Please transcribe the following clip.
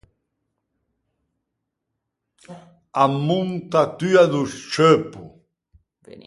A montatua do scceuppo.